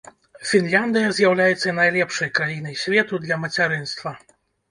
Фінляндыя з'яўляецца найлепшай краінай свету для мацярынства.